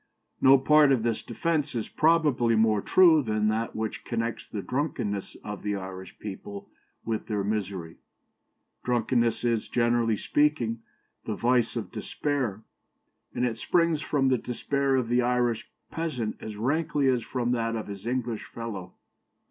No part of this defence is probably more true than that which connects the drunkenness of the Irish people with their misery. Drunkenness is, generally speaking, the vice of despair; and it springs from the despair of the Irish peasant as rankly as from that of his English fellow.